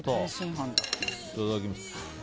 いただきます。